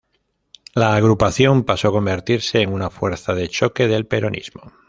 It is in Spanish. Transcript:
La agrupación pasó a convertirse en una fuerza de choque del peronismo.